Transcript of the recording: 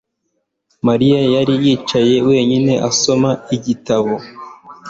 Mariya yari yicaye wenyine, asoma igitabo.